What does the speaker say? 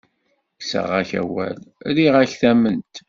Kkseɣ-ak awal, rriɣ-ak tamment.